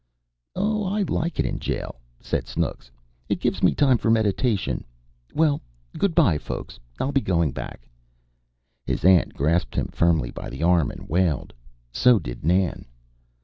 "Oh, I like it in jail," said Snooks. "It gives me time for meditation. Well, good bye, folks, I'll be going back." His aunt grasped him firmly by the arm and wailed. So did Nan.